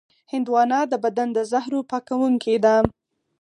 هندوانه د بدن د زهرو پاکوونکې ده.